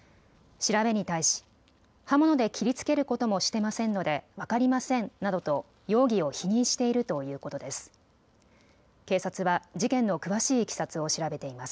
調べに対し刃物で切りつけることもしてませんので分かりませんなどと容疑を否認しているということです。